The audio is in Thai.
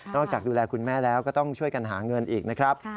จากดูแลคุณแม่แล้วก็ต้องช่วยกันหาเงินอีกนะครับ